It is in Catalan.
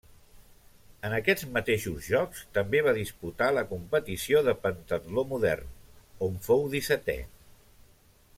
En aquests mateixos Jocs també va disputar la competició de pentatló modern, on fou dissetè.